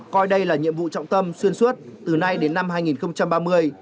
coi đây là nhiệm vụ trọng tâm xuyên suốt từ nay đến năm hai nghìn ba mươi